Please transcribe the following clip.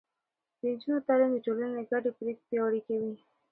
د نجونو تعليم د ټولنې ګډې پرېکړې پياوړې کوي.